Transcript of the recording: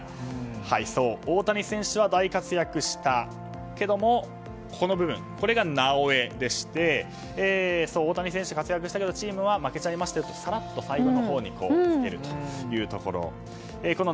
大谷選手は活躍したけれどもこの部分が、なおエでして大谷選手が活躍したけどチームは負けてしまいましたと最後につけるというもの。